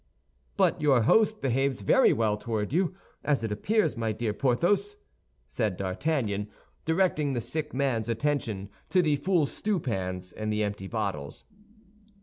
"But your host behaves very well toward you, as it appears, my dear Porthos," said D'Artagnan, directing the sick man's attention to the full stewpans and the empty bottles.